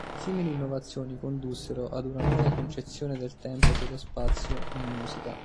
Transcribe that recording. Simili innovazioni condussero ad una nuova concezione del tempo e dello spazio in musica.